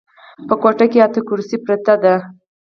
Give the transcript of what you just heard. په کوټه کې اته کرسۍ پرتې دي.